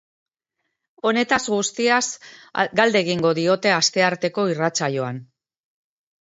Honetaz guztiaz galde egingo diote astearteko irratsaioan.